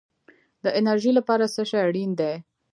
د انرژۍ لپاره څه شی اړین دی؟